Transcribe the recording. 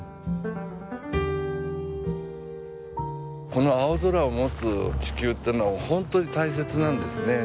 この青空を持つ地球ってのは本当に大切なんですね。